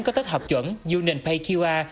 có tích hợp chuẩn unionpayqr